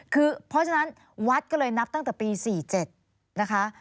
คือเพราะฉะนั้นวัดก็เลยนับตั้งแต่ปี๔๗นะคะ